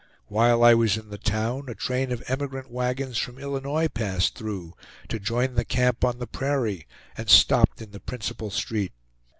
While I was in the town, a train of emigrant wagons from Illinois passed through, to join the camp on the prairie, and stopped in the principal street.